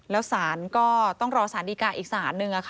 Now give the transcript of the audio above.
แล้วสารก็ต้องรอสารดีกาอีกศาลหนึ่ง